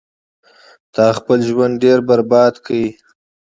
تا خپل ژوند ډیر برباد کړو